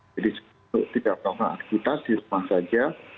jadi tidak perlu ada aktivitas di rumah saja